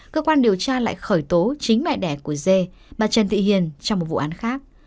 cơ quan điều tra lại khởi tố chính mẹ đẻ của dê bà trần thị hiền trong một vụ án khác